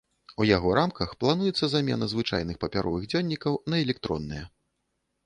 У яго рамках плануецца замена звычайных папяровых дзённікаў на электронныя.